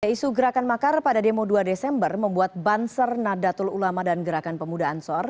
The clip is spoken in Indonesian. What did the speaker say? isu gerakan makar pada demo dua desember membuat banser nadatul ulama dan gerakan pemuda ansor